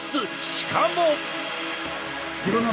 しかも。